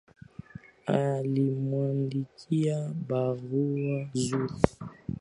Alimwandikia barua juzi